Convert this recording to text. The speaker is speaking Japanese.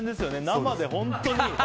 生で、本当に。